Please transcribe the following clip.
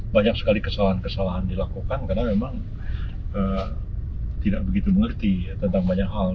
banyak sekali kesalahan kesalahan dilakukan karena memang tidak begitu mengerti tentang banyak hal